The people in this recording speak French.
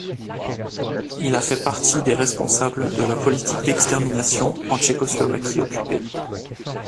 Il a fait partie des responsables de la politique d’extermination en Tchécoslovaquie occupée.